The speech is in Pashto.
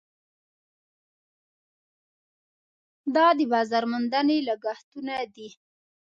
دا د بازار موندنې لګښټونه دي.